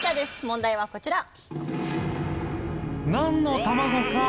問題はこちら。